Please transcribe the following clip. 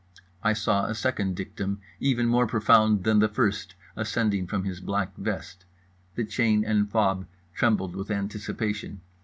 I saw a second dictum, even more profound than the first, ascending from his black vest. The chain and fob trembled with anticipation.